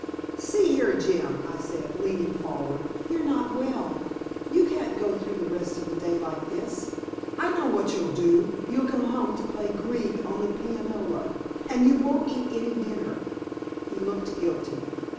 "See here, Jim," I said, leaning forward, "you're not well. You can't go through the rest of the day like this. I know what you'll do; you'll go home to play Grieg on the pianola, and you won't eat any dinner." He looked guilty.